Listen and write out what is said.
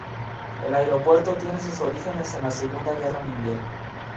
El aeropuerto tiene sus orígenes en la Segunda Guerra Mundial.